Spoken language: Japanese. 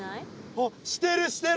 あっしてるしてる！